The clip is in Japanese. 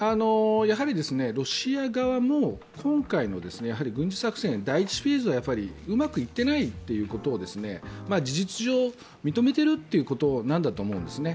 ロシア側も今回の軍事作戦、第１フェーズはうまくいっていないということを事実上、認めているということなんだと思うんですね。